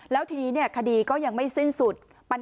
แล้วทีนี้คดีก็ยังไม่สิ้นสุด